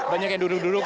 banyak yang duduk duduk